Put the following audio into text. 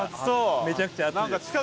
めちゃくちゃ熱いです。